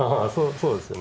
そうですよね。